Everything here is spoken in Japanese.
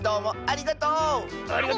ありがとう！